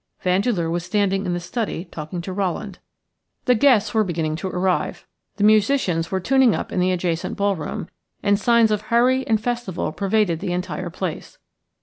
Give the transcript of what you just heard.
Vandeleur was standing in the study talking to Rowland. The guests were beginning to arrive. The musicians were tuning up in the adjacent ball room, and signs of hurry and festival pervaded the entire place.